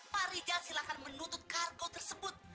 pak rijal silakan menuntut kargo tersebut